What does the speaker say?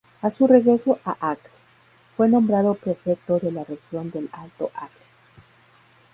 A su regreso a Acre, fue nombrado prefecto de la región del Alto Acre.